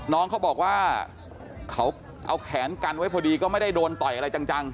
น้องเขาบอกว่าเขาเอาแขนกันไว้พอดีก็ไม่ได้โดนต่อยอะไรจัง